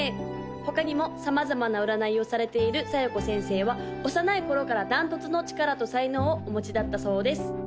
他にも様々な占いをされている小夜子先生は幼い頃から断トツの力と才能をお持ちだったそうです